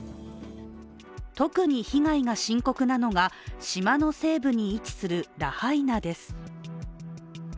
特に被害が深刻なのが、島の西部に位置するラハイナです。